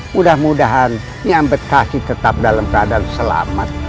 mudah mudahan niamberkasi tetap dalam keadaan selamat